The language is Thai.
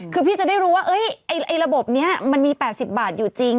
คือพี่จะได้รู้ว่าระบบนี้มันมี๘๐บาทอยู่จริง